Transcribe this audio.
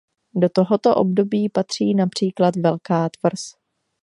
Do tohoto období patří například Velká tvrz.